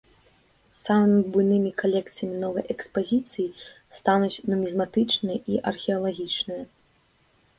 Самымі буйнымі калекцыямі новай экспазіцыі стануць нумізматычная і археалагічная.